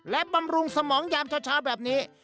และบำรุงสมองยามเช้าแบบนี้